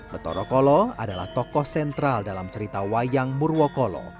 betorokolo adalah tokoh sentral dalam cerita wayang murwokolo